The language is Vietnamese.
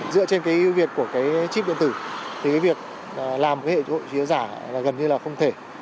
dựa trên ưu việt của chip điện tử thì việc làm hệ trụ giả gần như là không thể